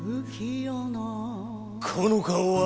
この顔は。